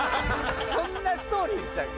そんなストーリーでしたっけ？